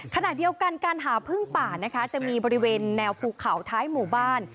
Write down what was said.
ขณะเดียวกันการหาพึ่งป่านะคะจะมีบริเวณแนวภูเขาท้ายหมู่บ้าน